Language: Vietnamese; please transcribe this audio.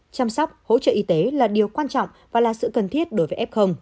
chăm sóc hỗ trợ y tế là điều quan trọng và là sự cần thiết đối với f